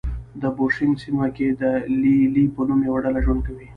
د بوشونګ سیمه کې د لې لې په نوم یوه ډله ژوند کوي.